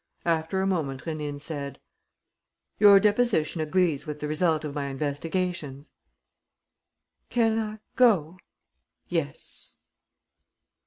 After a moment, Rénine said: "Your deposition agrees with the result of my investigations." "Can I go?" "Yes."